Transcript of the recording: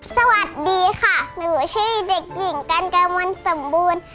สวัสดีค่ะหนูชื่อเด็กหญิงกันกมลสมบูรณ์